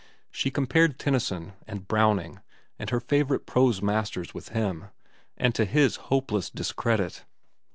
She compared Tennyson, and Browning, and her favorite prose masters with him, and to his hopeless discredit.